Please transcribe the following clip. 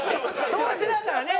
投資だからね。